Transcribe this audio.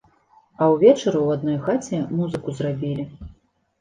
А ўвечары ў адной хаце музыку зрабілі.